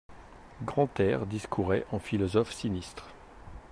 Grantaire discourait en philosophe sinistre.